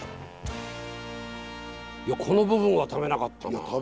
いやこの部分は食べなかったな。